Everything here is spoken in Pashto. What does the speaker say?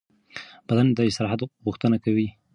بدن د استراحت غوښتنه کوي.